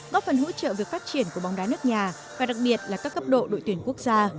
góp phần hỗ trợ việc phát triển của bóng đá nước nhà và đặc biệt là các cấp độ đội tuyển quốc gia